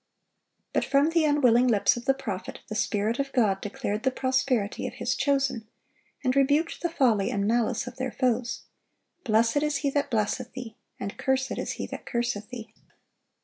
But from the unwilling lips of the prophet, the Spirit of God declared the prosperity of His chosen, and rebuked the folly and malice of their foes: "Blessed is he that blesseth thee, and cursed is he that curseth thee."